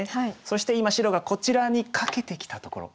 そして今白がこちらにカケてきたところ。